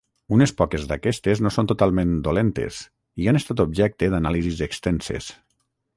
Unes poques d'aquestes no són totalment dolentes, i han estat objecte d'anàlisis extenses.